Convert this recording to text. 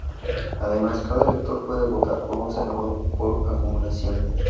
Además, cada elector puede votar por un "Senador por Acumulación".